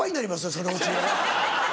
そのうち。